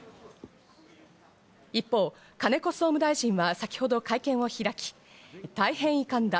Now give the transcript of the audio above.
一方、金子総務大臣は先ほど会見を開き、大変遺憾だ。